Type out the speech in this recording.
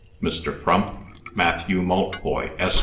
"Mr. Frump Matthew Maltboy, Esq.